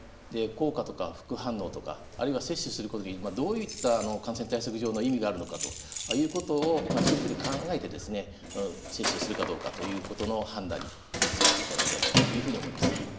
効果とか副反応とか、あるいは接種することにどういった感染対策上の意味があるのかということを一人一人考えて接種するかどうかということの判断に使っていただきたいというふうに思います。